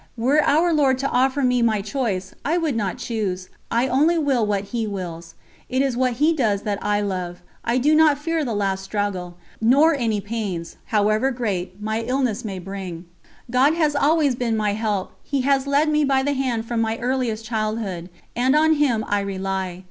Were Our Lord to offer me my choice, I would not choose. I only will what He wills; it is what He does that I love. I do not fear the last struggle, nor any pains however great my illness may bring. God has always been my help. He has led me by the hand from my earliest childhood, and on Him I rely.